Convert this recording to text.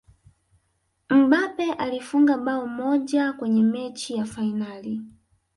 mbappe alifunga bao moja kwenye mechi ya fainali